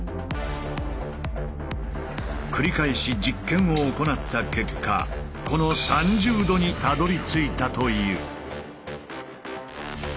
繰り返し実験を行った結果この３０°にたどりついたという。